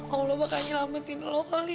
allah bakal nyelamatin lo koli